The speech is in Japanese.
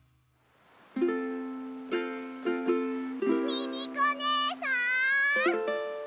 ミミコねえさん！